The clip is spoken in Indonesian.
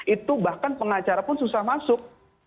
itu bahkan pengacara pun susah masuk